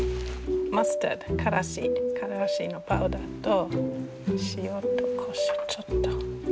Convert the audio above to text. マスタードからしのパウダーと塩とこしょうちょっと。